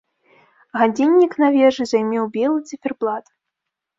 Гадзіннік на вежы займеў белы цыферблат.